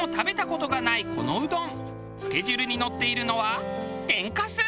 つけ汁にのっているのは天かす。